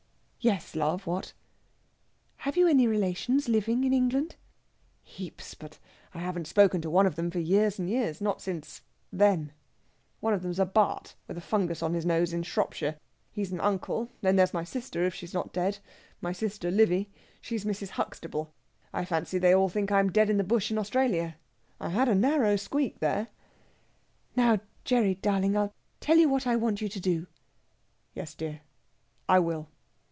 "Yes, love, what?" "Have you any relations living in England?" "Heaps, but I haven't spoken to one of them for years and years not since then. One of them's a Bart. with a fungus on his nose in Shropshire. He's an uncle. Then there's my sister, if she's not dead my sister Livy. She's Mrs. Huxtable. I fancy they all think I'm dead in the bush in Australia. I had a narrow squeak there...." "Now, Gerry darling, I'll tell you what I want you to do...." "Yes, dear, I will."